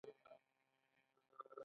د هایپرنووا تر ټولو لویه چاودنه ده.